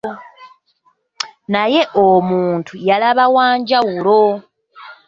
Naye omuntu yalaba wa njawulo.